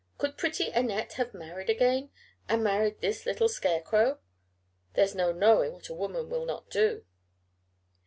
Could pretty Annette have married again, and married this little scare crow? There's no knowing what a woman will not do."